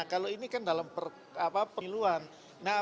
kalau ini kan dalam perluan